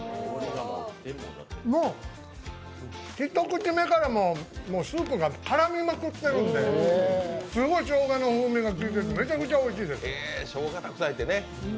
もう、ひと口目からスープが絡みまくってるんで、すごいしょうがの風味が効いててめちゃくちゃおいしいです。